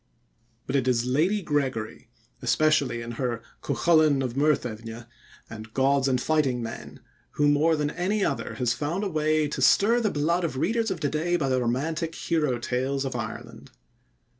But it is Lady Gregory, especially in her Cuchulain of Muirthemne and Gods and Fighting Men, who more than any other has found a way to stir the blood of readers of to day by the romantic hero tales of Ireland.